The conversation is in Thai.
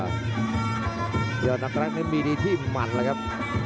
เดี๋ยวน้ำรักนึงมีดีที่หมั่นแหละครับ